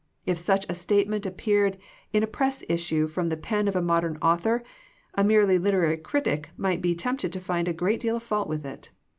If such a statement ap peared in a press issue from the pen of a modern author, a merely literary critic might be tempted to find a great deal of fault with it.